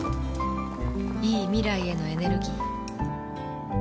いい未来へのエネルギー